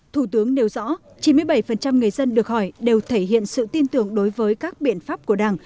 thủ tướng nêu rõ chín mươi bảy người dân được hỏi đều thể hiện sự tin tưởng đối với các biện pháp của đảng